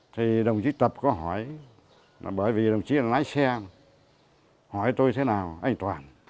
thì đồng chí tập có hỏi bởi vì đồng chí là lái xe hỏi tôi thế nào anh toàn